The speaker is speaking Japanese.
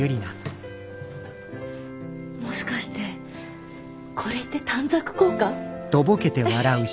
もしかしてこれって短冊効果？